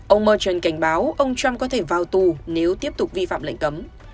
ông merchon cảnh báo ông trump có thể vào tù nếu tiếp tục vi phạm lệnh cấm